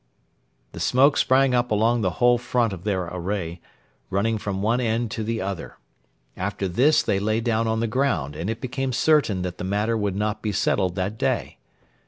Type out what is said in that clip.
The smoke sprang up along the whole front of their array, running from one end to the other. After this they lay down on the ground, and it became certain that the matter would not be settled that day.